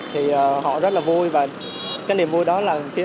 thì họ rất là vui